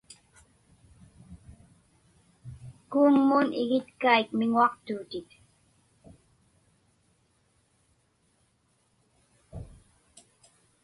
Kuuŋmun igitkaik miŋuaqtuutit.